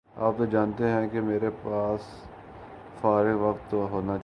آپ تو جانتے ہیں کہ میرے باس فارغ وقت تو ہوتا نہیں